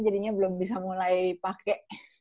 jadinya belum bisa mulai pake